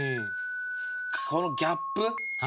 このギャップ。